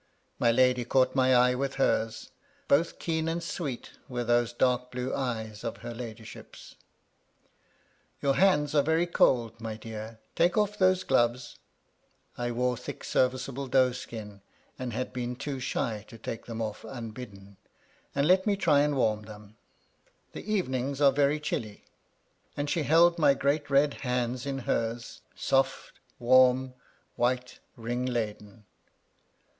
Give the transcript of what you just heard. My lady caught my eye with hers,— both keen and sweet were those dark blue eyes of her ladyship's :— "Your hands are very cold, my dear; take off those gloves" (I wore thick serviceable doeskin, and had been too shy to take them off unbidden), ^^and let me try and warm them— the evenings are very chilly." And she held my great red hands in hers, — soft, warm, white, ring laden.